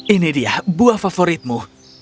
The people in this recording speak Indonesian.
ini dia buah favoritmu